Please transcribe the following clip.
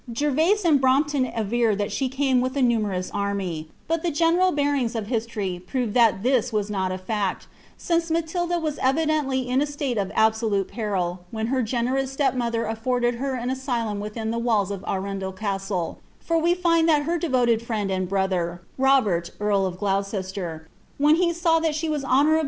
Gervase and Brompton aver that she came wilil S niUUnroue army ; hut the general bearings of history prove that ttH wtt not dte Iticl, since Matilda was evidently in a state of aliBnlute INtil wbcn hfr generous step moiher allbrded her an asylum within ife wall* of Anindel Castle, for we lind that her devoted friend and I fcntber* Robert earl of Gloucester, when he saw that she was honours I I ' IM AnBLICIA or LOUVALXB.